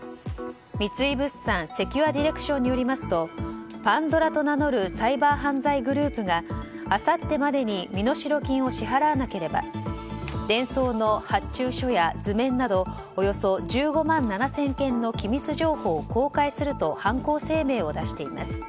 三井物産セキュアディレクションによりますとＰａｎｄｏｒａと名乗るサイバー犯罪グループがあさってまでに身代金を支払わなければデンソーの発注書や図面などおよそ１５万７０００件の機密情報を公開すると犯行声明を出しています。